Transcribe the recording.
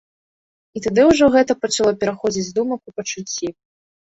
І тады ўжо гэта пачало пераходзіць з думак у пачуцці.